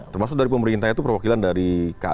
termasuk dari pemerintah itu perwakilan dari kapol